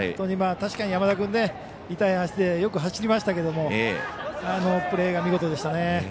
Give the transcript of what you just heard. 山田君も痛い足でよく走りましたけどあのプレーは見事でしたね。